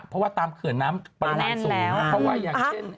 เพราะว่าตามเขื่อนน้ำปริมาณสูงเพราะว่าอย่างเช่น